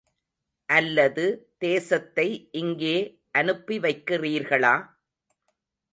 அல்லது தேசத்தை இங்கே அனுப்பிவைக்கிறீர்களா?